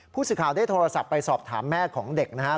ผู้สื่อข่าวได้โทรศัพท์ไปสอบถามแม่ของเด็กนะครับ